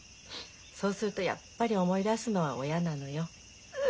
そうするとやっぱり思い出すのは親なのよ。